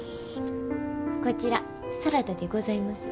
こちらサラダでございます。